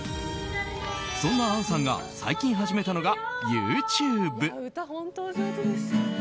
そんな杏さんが最近始めたのがＹｏｕＴｕｂｅ。